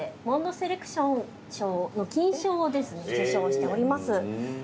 モンドセレクション賞の金賞を受賞しております。